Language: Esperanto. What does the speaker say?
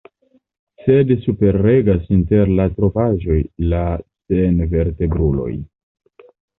Sed superregas inter la trovaĵoj la senvertebruloj.